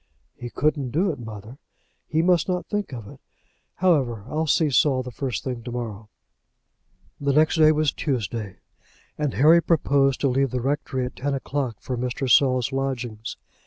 "He couldn't do it, mother. He must not think of it. However, I'll see Saul the first thing to morrow." The next day was Tuesday, and Harry proposed to leave the rectory at ten o'clock for Mr. Saul's lodgings.